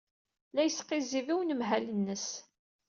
La yesqizzib i unemhal-nnes.